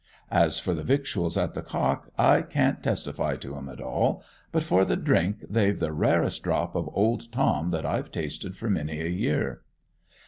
As for the victuals at the Cock I can't testify to 'em at all; but for the drink, they've the rarest drop of Old Tom that I've tasted for many a year.